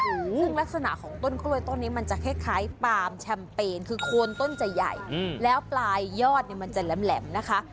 ซึ่งลักษณะของต้นกล้วยต้นนี้มันจะคล้ายคล้ายปามแชมเปญคือโคนต้นจะใหญ่อืมแล้วปลายยอดเนี่ยมันจะแหลมนะคะ